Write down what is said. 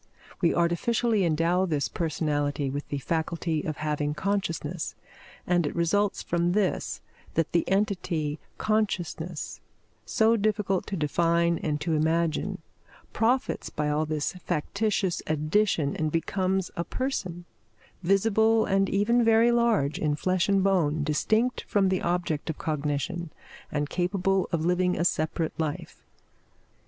We artificially endow this personality with the faculty of having consciousness; and it results from this that the entity consciousness, so difficult to define and to imagine, profits by all this factitious addition and becomes a person, visible and even very large, in flesh and bone, distinct from the object of cognition, and capable of living a separate life.